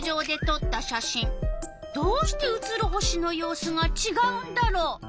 どうして写る星の様子がちがうんだろう？